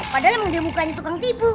padahal emang dia mukanya tukang tipu